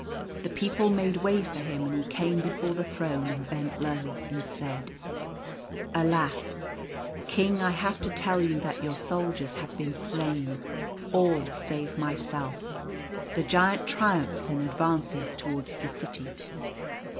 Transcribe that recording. The people made way for him, and he came before the throne and bent low and said —" Alas ! King, I have to tell you that your soldiers have been slain — all save myself. The Giant triumphs and advances towards the city."